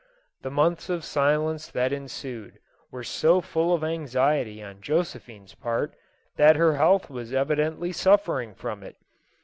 The months of silence that en sued, were so full of anxiety on Josephine's part, that her health was evidently suffering from it.